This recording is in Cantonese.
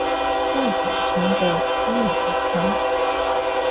閨房重地生人勿近